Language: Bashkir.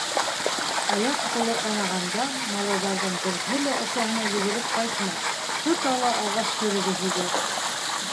Аяҡ-ҡулы ҡанағанда, малайҙарҙың береһе лә әсәһенә йүгереп ҡайтмай, тота ла ағас сөрөгө һибә.